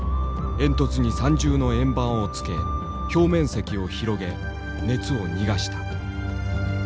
煙突に３重の円盤を付け表面積を広げ熱を逃がした。